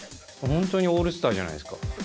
本当にオールスターじゃないですか。